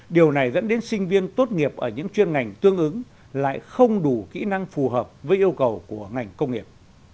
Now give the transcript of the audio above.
điều này dẫn đến sinh viên tốt nghiệp ở những chuyên ngành tương ứng lại không đủ kỹ năng phù hợp với yêu cầu của ngành công nghiệp